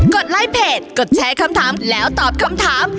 ดไลค์เพจกดแชร์คำถามแล้วตอบคำถาม